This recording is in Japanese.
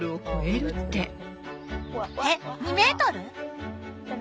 えっ２メートル？